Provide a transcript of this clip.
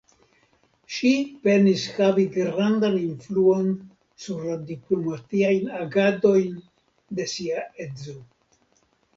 Ŝi penis havi grandan influon sur la diplomatiajn agadojn de sia edzo.